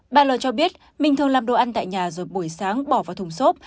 bà lời cho biết mình thường làm đồ ăn tại nhà rồi buổi sáng bỏ vào thùng xốp